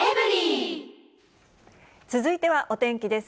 続いてはお天気です。